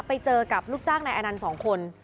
ไปเจอกับลูกจ้างนายอนันต์สองคน